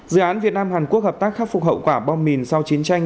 dự án việt nam hàn quốc hợp tác khắc phục hậu quả bom mìn sau chiến tranh